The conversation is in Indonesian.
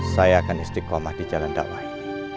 saya akan istiqomah di jalan dakwah ini